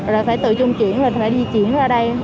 rồi phải tự chung chuyển rồi phải di chuyển ra đây